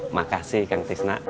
makasih kang tisna